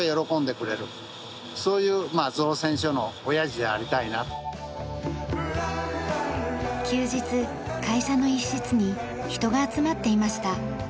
子供たちの休日会社の一室に人が集まっていました。